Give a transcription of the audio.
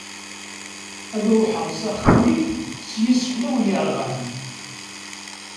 Ad ruḥeɣ s axxam-ik s yiseflawen yerɣan.